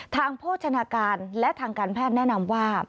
โภชนาการและทางการแพทย์แนะนำว่า